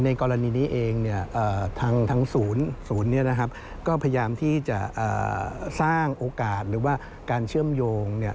ในกรณีนี้เองเนี่ยทั้งศูนย์ศูนนี้นะครับก็พยายามที่จะสร้างโอกาสหรือการเชื่อมโยงเนี่ย